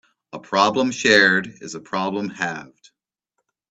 A problem shared is a problem halved.